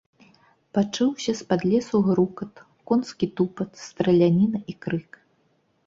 Пачуўся з пад лесу грукат, конскі тупат, страляніна і крык.